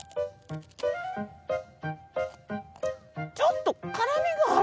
ちょっと辛みがある。